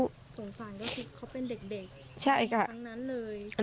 สงสัยว่าเขาเป็นเด็ก